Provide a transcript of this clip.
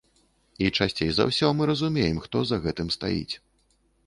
І часцей за ўсё мы разумеем, хто за гэтым стаіць.